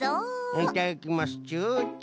いただきますチュチュ。